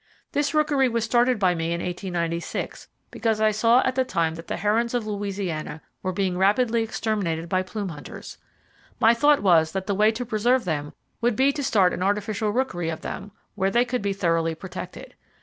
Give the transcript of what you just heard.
This rookery was started by me in 1896, because I saw at that time that the herons of Louisiana were being rapidly exterminated by plume hunters. My thought was that the way to preserve them would be to start an artificial rookery of them where they could be thoroughly protected.